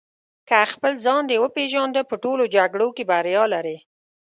که خپل ځان دې وپېژنده په ټولو جګړو کې بریا لرې.